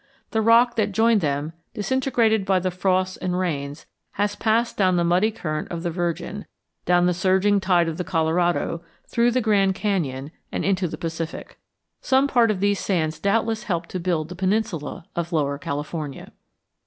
The rock that joined them, disintegrated by the frosts and rains, has passed down the muddy current of the Virgin, down the surging tide of the Colorado, through the Grand Canyon, and into the Pacific. Some part of these sands doubtless helped to build the peninsula of Lower California.